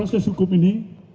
jadi proses hukum ini